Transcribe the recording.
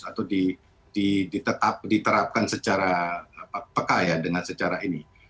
atau diterapkan secara peka ya dengan secara ini